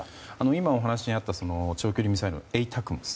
今お話にあった長距離ミサイルのＡＴＡＣＭＳ。